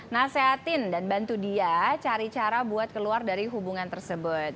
nasehatin dan bantu dia cari cara buat keluar dari hubungan tersebut